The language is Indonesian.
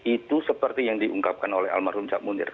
itu seperti yang diungkapkan oleh almarhum cak munir